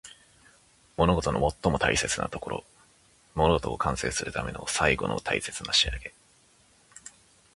物事の最も大切なところ。物事を完成するための最後の大切な仕上げ。